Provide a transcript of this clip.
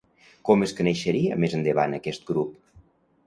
Com es coneixeria més endavant aquest grup?